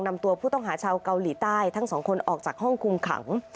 นำตัวผู้ต้องหาชาวเกาหลีใต้ทั้งสองคนออกจากห้องคุมขัง